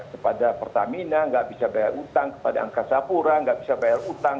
tepada pertamina enggak bisa bayar utang kepada angkasa apura enggak bisa bayar utang